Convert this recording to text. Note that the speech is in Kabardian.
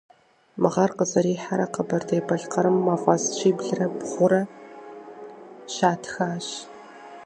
Мы гъэр къызэрихьэрэ Къэбэрдей-Балъкъэрым мафӏэс щиблрэ бгъурэ щатхащ.